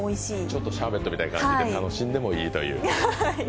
ちょっとシャーベットみたいな感じで楽しんでもいい。